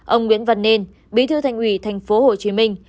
ông nguyễn văn nên bí thư thanh quỷ tp hcm